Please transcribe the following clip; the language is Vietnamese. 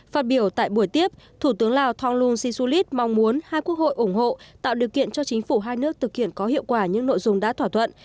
phát biểu tại buổi tiếp thủ tướng lào thonglung sisulit mong muốn hai quốc hội ủng hộ tạo điều kiện cho chính phủ hai nước thực hiện có hiệu quả những nội dung đã thỏa thuận